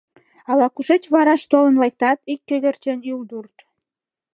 — Ала-кушеч вараш толын лектат, ик кӧгӧрчен юлдурт.